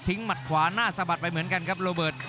หมัดขวาหน้าสะบัดไปเหมือนกันครับโรเบิร์ต